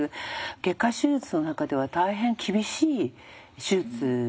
外科手術の中では大変厳しい手術なんだそうです。